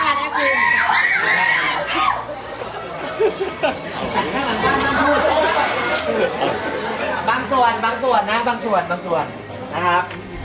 บางส่วนบางส่วนบางส่วนนะบางส่วนบางส่วนนะครับ